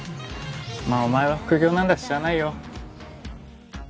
まあお前は副業なんだししゃあないよ。